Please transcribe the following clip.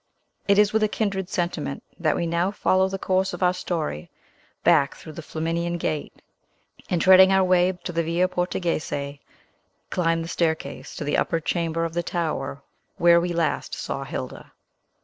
It is with a kindred sentiment, that we now follow the course of our story back through the Flaminian Gate, and, treading our way to the Via Portoghese, climb the staircase to the upper chamber of the tower where we last saw Hilda.